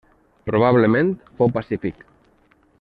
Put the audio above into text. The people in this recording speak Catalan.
Probablement fou pacífic.